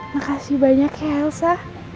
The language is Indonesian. makasih banyak ya elsa